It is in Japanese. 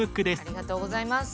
ありがとうございます。